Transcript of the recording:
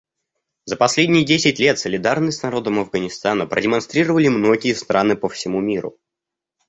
За последние десять лет солидарность с народом Афганистана продемонстрировали многие страны по всему миру.